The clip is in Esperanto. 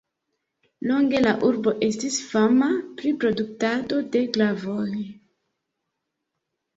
Longe la urbo estis fama pri produktado de glavoj.